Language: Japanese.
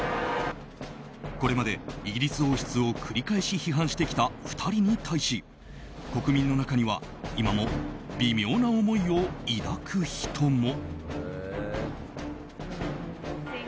これまで、イギリス王室を繰り返し批判してきた２人に対し、国民の中には今も微妙な思いを抱く人も。